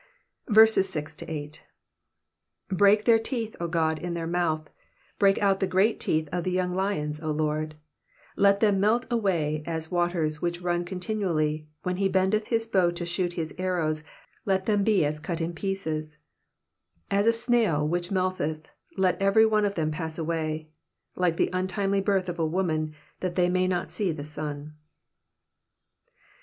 6 Break their teeth, O God, in their mouth : break out the great teeth of the young lions, O Lord. Digitized by VjOOQIC 64 EXPOSITIONS OF THB PSALMS. 7 Let them melt away as waters which run continually : when he bendeth his bow to shoot his arrows, let them be as cut in pieces. 8 As a snail which melteth, let every one of them pass away : like the untimely birth of a woman, that they may not see the sun.